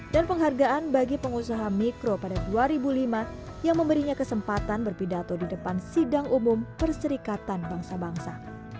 dan penghargaan bagi pengusaha mikro pada dua ribu lima yang memberinya kesempatan berpidato di depan sidang umum perserikatan bangsa bangsa